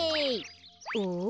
うん？